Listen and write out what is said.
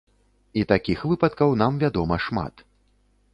І такіх выпадкаў нам вядома шмат.